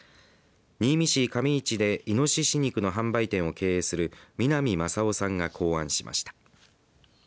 新見市上市でいのしし肉の販売店を経営する南将夫さんが考案しました。